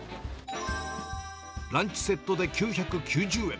ランチセットで９９０円。